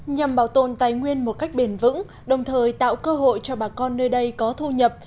nhằm bảo tồn tài nguyên một cách bền vững đồng thời tạo cơ hội cho bà con nơi đây có thu nhập